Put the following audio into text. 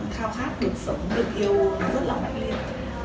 khao khát được sống được yêu rất là mạnh liệt